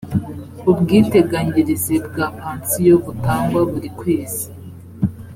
ubwiteganyirize bwa pansiyo butangwa buri kwezi